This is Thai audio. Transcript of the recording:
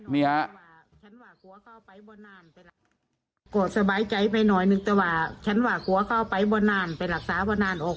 นี่ครับ